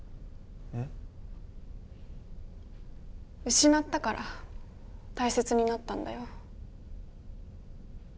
失ったからたいせつになったんだよ。